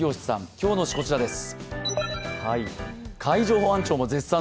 今日の人、こちらです。